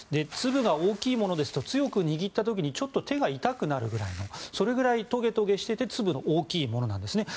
粒が大きいものですと強く握った時にちょっと手が痛くなるくらいのそれぐらいトゲトゲしていて粒の大きいものです。